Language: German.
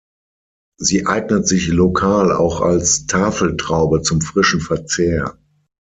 Sie eignet sich lokal auch als Tafeltraube zum frischen Verzehr.